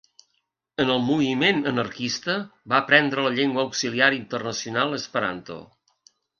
En el moviment anarquista va aprendre la llengua auxiliar internacional esperanto.